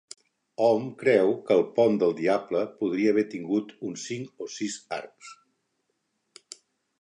Hom creu que el pont del Diable podria haver tingut uns cinc o sis arcs.